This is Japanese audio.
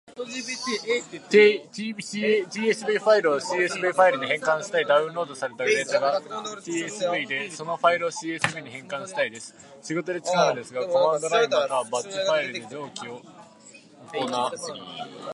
Q.tsv ファイルを csv ファイルに変換したいダウンロードされたデータが tsv で、そのファイルを csv に変換したいです。仕事で使うのですが、コマンドラインまたはバッチファイルで上記を行...